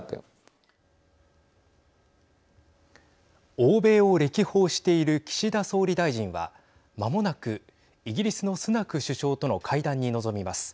欧米を歴訪している岸田総理大臣は間もなくイギリスのスナク首相との会談に臨みます。